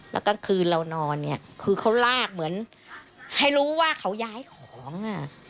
แล้วกลางคืนเรานอนเนี่ยคือเขาลากเหมือนให้รู้ว่าเขาย้ายของอ่ะ